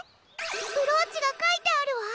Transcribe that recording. ブローチがかいてあるわ！